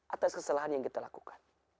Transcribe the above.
atas kesalahan yang kita lakukan